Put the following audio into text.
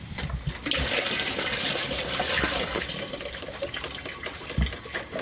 นี่แหละคือหัว